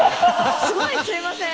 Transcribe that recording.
すごい吸いません？